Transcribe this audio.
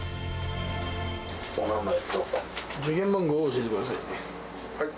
お名前と受験番号を教えてくはい。